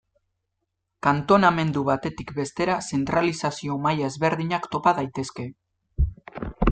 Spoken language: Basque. Kantonamendu batetik bestera zentralizazio maila ezberdinak topa daitezke.